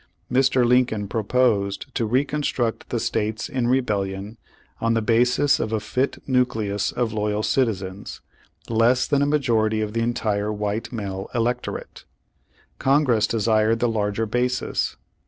Mr. Lincoln proposed to reconstruct the states in rebellion on the basis of a fit nucleus of loyal citizens, less than a majority of the entire white male electorate. Congress desired the larger basis.